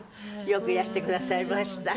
よくいらしてくださいました。